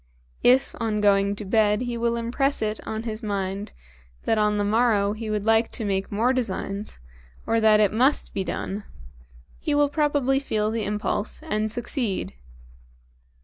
If on going to bed he will impress it on his mind that on the morrow he would like to make more designs, or that it must be done, he will probably feel the impulse and succeed.